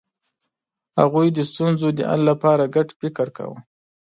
هغوی د ستونزو د حل لپاره ګډ فکر کاوه.